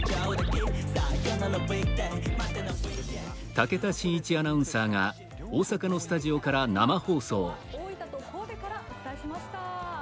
武田真一アナウンサーが大阪のスタジオから生放送。